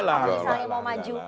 kalau misalnya mau maju